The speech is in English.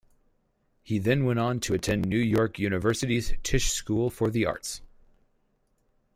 He then went on to attend New York University's Tisch School for the Arts.